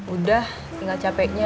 udah tinggal capeknya